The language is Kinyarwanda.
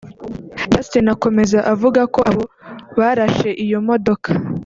Justin akomeza avuga ko abo barashe iyo modoka